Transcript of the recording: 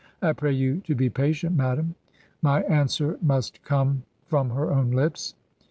'' I pray you to be patient, madam. ... My answer must come from her own Kps.